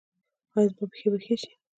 ایا زما پښې به ښې شي؟